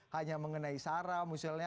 hanya mengenai saram misalnya